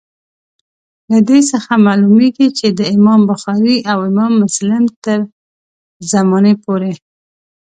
له دې څخه معلومیږي چي د امام بخاري او امام مسلم تر زمانې پوري.